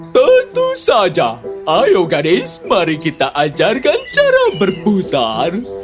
tentu saja ayo gadis mari kita ajarkan cara berputar